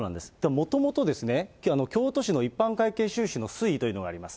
もともと、きょう、京都市の一般会計収支の推移というのがあります。